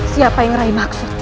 siapa yang rai maksud